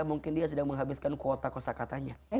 mungkin dia sedang menghabiskan kuota kosa katanya